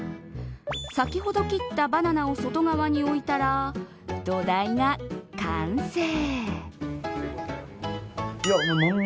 先ほど切ったバナナを外側に置いたら土台が完成。